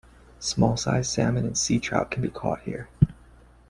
Small-sized salmon and sea trout can be caught here.